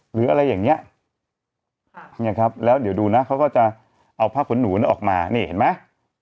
หรืออะไรอย่างเงี้ยแล้วเดี๋ยวดูนะเขาก็จะเอาผ้าขนหนูนอกมานี่เห็นมั้ย